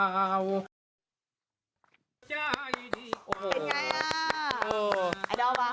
เป็นไงล่ะไอดอลป่ะ